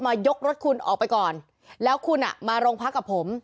ยกรถคุณออกไปก่อนแล้วคุณอ่ะมาโรงพักกับผม